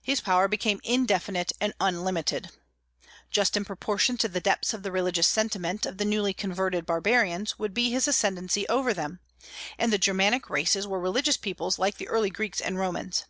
His power became indefinite and unlimited. Just in proportion to the depth of the religious sentiment of the newly converted barbarians would be his ascendancy over them; and the Germanic races were religious peoples like the early Greeks and Romans.